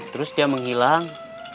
terus dia menghilang